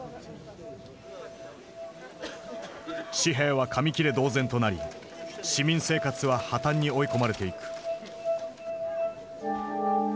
紙幣は紙切れ同然となり市民生活は破綻に追い込まれていく。